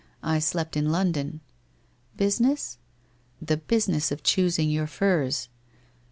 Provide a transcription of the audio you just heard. ' I slept in London.' ' Business ?'' The business of choosing your furs.'